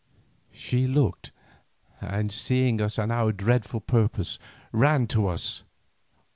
She looked, and seeing us and our dreadful purpose, ran to us.